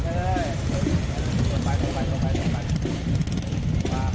ตรงไป